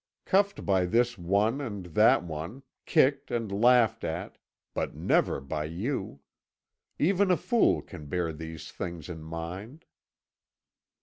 Cuffed by this one and that one, kicked, and laughed at but never by you. Even a fool can bear these things in mind."